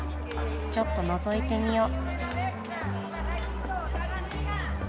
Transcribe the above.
ちょっとのぞいてみよう。